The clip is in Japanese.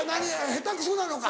下手くそなのか。